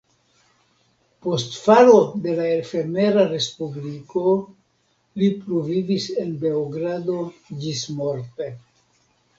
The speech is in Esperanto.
Post falo de la efemera respubliko li pluvivis en Beogrado ĝismorte.